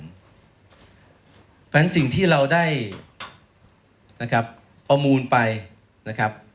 เพราะฉะนั้นสิ่งที่เราได้เอามูลไปนะครับ